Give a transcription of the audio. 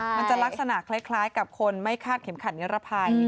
มันจะลักษณะคล้ายกับคนไม่คาดเข็มขัดนิรภัย